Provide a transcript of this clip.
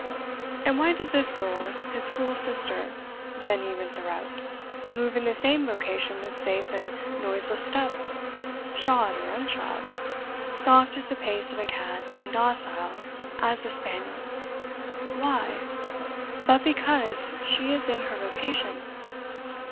And why does this girl, his full sister, Jenny Rintherout, move in the same vocation with safe and noiseless step shod, or unshod soft as the pace of a cat, and docile as a spaniel Why? but because she is in her vocation.